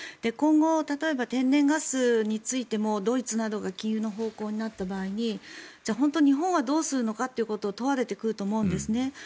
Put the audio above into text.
今後、例えば天然ガスについてもドイツなどが禁輸の方向になった場合にじゃあ本当に日本はどうするのかってことを問われてくると思うんですね。